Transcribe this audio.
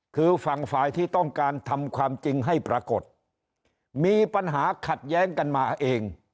คือฝั่งฝ่ายที่ต้องการทำความจริงให้ปรากฏมีปัญหาขัดแย้งกันมาเอง